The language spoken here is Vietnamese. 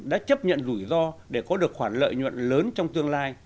đã chấp nhận rủi ro để có được khoản lợi nhuận lớn trong tương lai